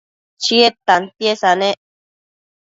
Chied tantiesa nec